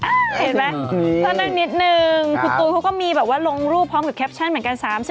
เห็นไหมก็นั่งนิดนึงคุณตูนเขาก็มีแบบว่าลงรูปพร้อมกับแคปชั่นเหมือนกัน